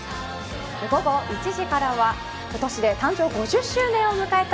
午後１時からは今年で誕生５０周年を迎えた